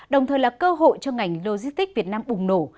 đồng thời là cơ hội cho ngành logistics việt nam bùng nổ